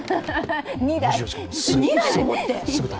２台も持って！